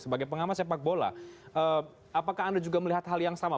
sebagai pengamat sepak bola apakah anda juga melihat hal yang sama